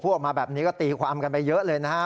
เพราะว่ามีทีมนี้ก็ตีความกันไปเยอะเลยนะครับ